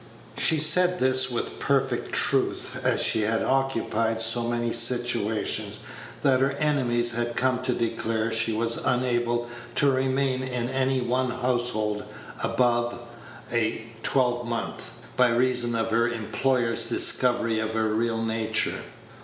(She said this with perfect truth, as she had occupied so many situations that her enemies had come to declare she was unable to remain in any one household above a twelvemonth, by reason of her employer's discovery of her real nature.)